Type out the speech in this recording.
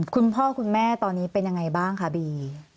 คุณพ่อคุณแม่ตอนนี้เป็นยังไงบ้างคะบี